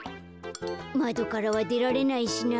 まどからはでられないしな。